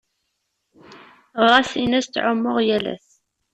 Ɣas in-as ttεummuɣ yal ass.